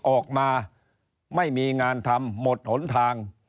ออกมาไม่มีงานทำหมดหนทาง